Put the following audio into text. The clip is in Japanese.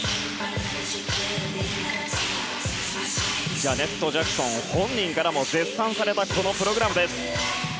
ジャネット・ジャクソン本人からも絶賛されたこのプログラムです。